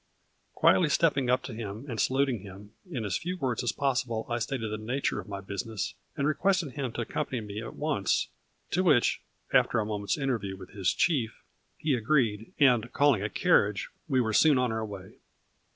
Quietly step ping up to him and saluting him, in as few words as possible I stated the nature of my business, 22 A FLUBBY IN DIAMONDS . and requested him to accompany me at once, to which, after a moment's interview with his chief, he agreed, and calling a carriage, we were soon on our way.